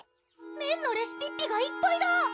⁉麺のレシピッピがいっぱいだ！